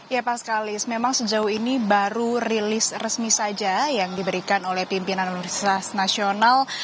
ya pak sekali memang sejauh ini baru rilis resmi saja yang diberikan oleh pimpinan universitas nasional